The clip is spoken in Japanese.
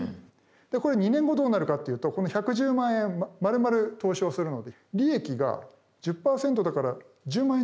でこれ２年後どうなるかっていうとこの１１０万円まるまる投資をするので利益が１０％だから１０万円じゃなくて１１万円になる。